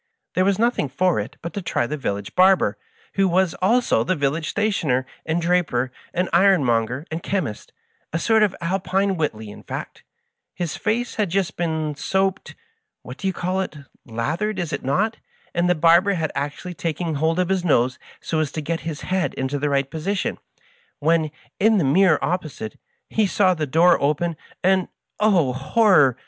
There was nothing for it but to try the village barber, who was also the village stationer, and draper, and iron monger, and chemist — a sort of Alpine Whiteley, in fact. His face had just been soaped — ^what do you call it i — lathered, is it not! and the barber had actually taken hold of his nose so as to get his head into the right po sition, when, in the mirror opposite, he saw the door open, and— oh, horror